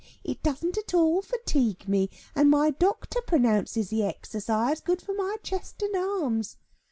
It doesn't at all fatigue me, and my doctor pronounces the exercise good for my chest and arms.